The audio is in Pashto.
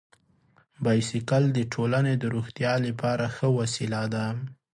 بایسکل د ټولنې د روغتیا لپاره ښه وسیله ده.